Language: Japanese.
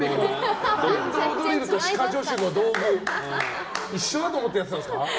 電動ドリルと歯科助手の道具一緒だと思ってやってたんですか。